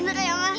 bener ya ma